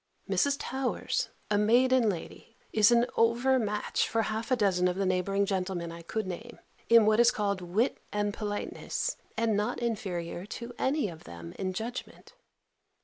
Mrs. Towers, a maiden lady, is an over match for half a dozen of the neighbouring gentlemen I could name, in what is called wit and politeness, and not inferior to any of them in judgment.